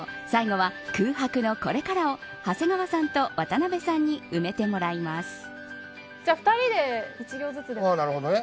最後は、空白のこれからを長谷川さんと渡辺さんに埋めてもらいます。